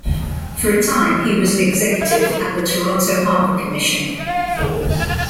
For a time, he was an executive at the Toronto Harbour Commission.